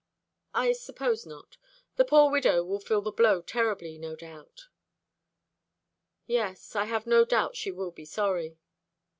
"I suppose not. The poor widow will feel the blow terribly, no doubt." "Yes, I have no doubt she will be sorry."